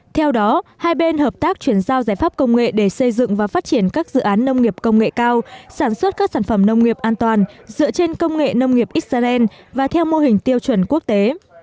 theo đó hai bên hợp tác chuyển giao giải pháp công nghệ để xây dựng và phát triển các dự án nông nghiệp công nghệ cao sản xuất các sản phẩm nông nghiệp an toàn dựa trên công nghệ nông nghiệp israel và theo mô hình tiêu chuẩn quốc tế